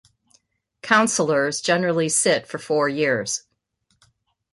Councillors generally sit for four years.